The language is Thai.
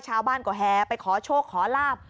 ชาวบ้านก็แห่ไปขอโชคขอลาบ